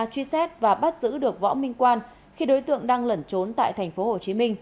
truy xét và bắt giữ được võ minh quan khi đối tượng đang lẩn trốn tại tp hcm